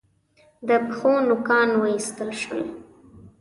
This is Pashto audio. د پښو نوکان و ایستل شول.